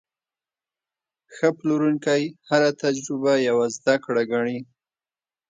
ښه پلورونکی هره تجربه یوه زده کړه ګڼي.